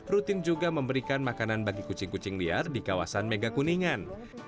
rutin juga memberikan makanan bagi kucing kucing liar di kawasan megakuningan